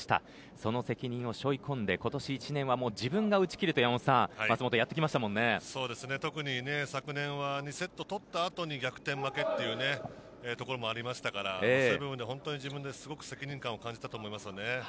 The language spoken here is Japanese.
その責任を背負い込んで今年１年は自分が打ち切ると特に昨年は２セット取った後に逆転負けというところもありましたからそういう部分で、自分で責任感を感じたと思いますよね。